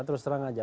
terus terang saja